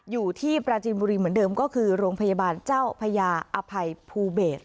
อยู่ที่ปราจินบุรีเหมือนเดิมก็คือโรงพยาบาลเจ้าพญาอภัยภูเบศ